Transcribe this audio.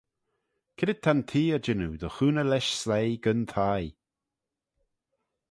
C'red ta'n theay jannoo dy chooney lesh sleih gyn thie?